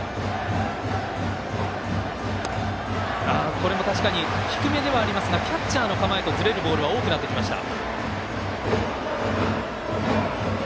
これも、低めではありますがキャッチャーの構えとずれるボールが多くなってきました。